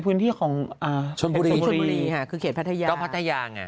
พื้นที่ของชนบุรีชนบุรีค่ะคือเขตพัทยาก็พัทยาไง